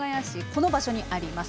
この場所にあります。